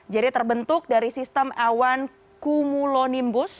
jadi terbentuk dari sistem awan cumulonimbus